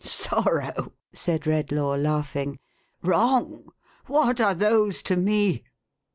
11 " Sorrow !" said Redlaw, laughing. " Wrong ! What are those to me?